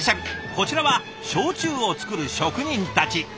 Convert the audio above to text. こちらは焼酎をつくる職人たち。